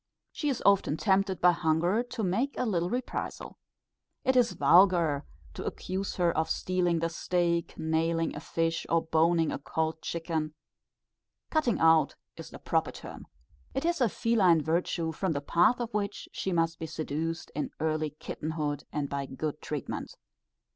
She is often tempted by hunger to make a little reprisal. It is vulgar to accuse her of stealing the steak, nailing a fish, or boning a cold chicken, "cutting out," is the proper term. It is a feline virtue, from the path of which she must be seduced in early kitten hood, and by good treatment.